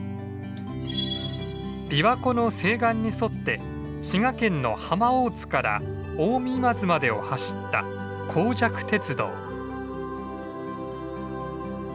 琵琶湖の西岸に沿って滋賀県の浜大津から近江今津までを走った江若鉄道。